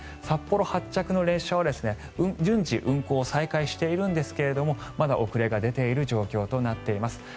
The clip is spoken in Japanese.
札幌発着の列車は順次運行を再開しているんですがまだ遅れが出ている状況となっています。